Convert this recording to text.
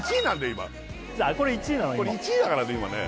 今これ１位だからね